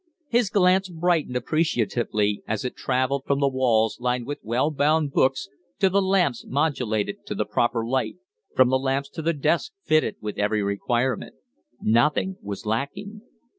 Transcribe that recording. His glance brightened appreciatively as it travelled from the walls lined with well bound books to the lamps modulated to the proper light; from the lamps to the desk fitted with every requirement. Nothing was lacking.